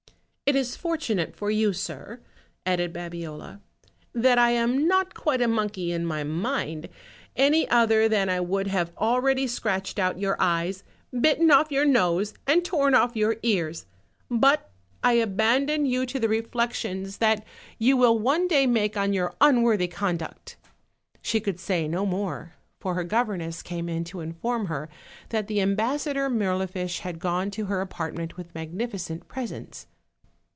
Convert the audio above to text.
"It is fortunate for you, sir," added Babiola, "that I am not quite a monkey in my mind; any other than I would nave already scratched out your eyes, bitten off your nose, and torn off your earsj but I abandon you 198 OLD, OLD FAIRY TALES. to the reflections that you will one day make on your unworthy conduct." She could say no more, for her governess came in to inform her that the Ambassador Mirlifiche had gone to her apartment with magnificent presents.